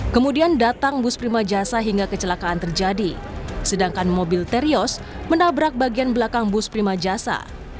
kemudian datang bus prima jasa hingga kecelakaan terjadi sedangkan mobil terios menabrak bagian belakang bus prima jasa